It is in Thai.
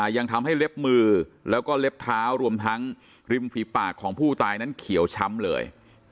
ยังทำให้เล็บมือแล้วก็เล็บเท้ารวมทั้งริมฝีปากของผู้ตายนั้นเขียวช้ำเลย